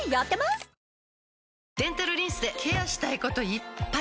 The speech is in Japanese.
デンタルリンスでケアしたいこといっぱい！